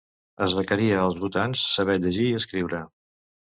Es requeria als votants saber llegir i escriure.